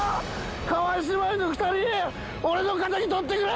川井姉妹の２人俺の敵とってくれ！